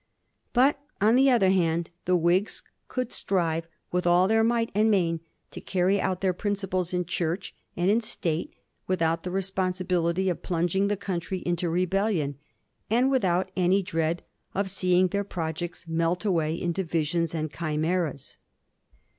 But, on the other hand, the Whigs could strive with all their might and main to carry out their principles in Church and in State without the responsibility of plunging the country into rebelUon, and without any dread of seeing their projects melt away into visions and chimeras.